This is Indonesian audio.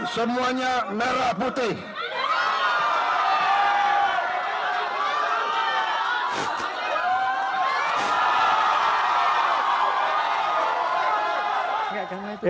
semuanya merah putih